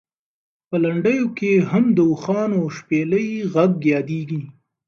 په لنډیو کې هم د اوښانو او شپېلۍ غږ یادېږي.